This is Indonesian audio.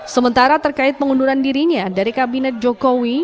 sementara terkait pengunduran dirinya dari kabinet jokowi